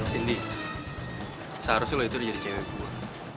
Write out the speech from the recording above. sini seharusnya lo itu udah jadi cewe gue